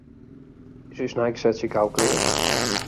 Is ús neigesetsje gau klear?